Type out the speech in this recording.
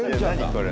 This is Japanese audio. これ。